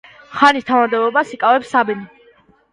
ხანის თანამდებობას იკავებს საბინი.